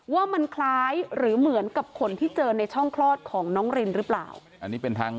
ว่ามันคล้ายหรือเหมือนกับขนที่เจอในช่องคลอดของน้องรินหรือเปล่า